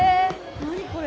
何これ？